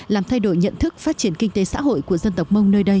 làm thay đổi nhận thức phát triển kinh tế xã hội của dân tộc mông nơi đây